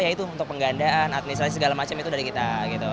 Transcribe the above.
yaitu untuk penggandaan administrasi segala macam itu dari kita gitu